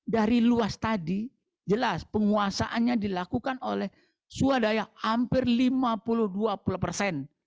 dari luas tadi jelas penguasaannya dilakukan oleh swadaya hampir lima puluh dua puluh persen